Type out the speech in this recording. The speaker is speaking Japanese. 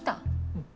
うん。